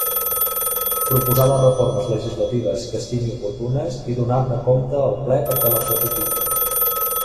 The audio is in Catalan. Proposar les reformes legislatives que estimi oportunes i donar-ne compte al Ple perquè les ratifiqui.